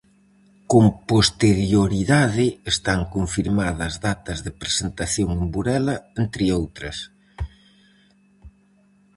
Con posterioridade están confirmadas datas de presentación en Burela entre outras.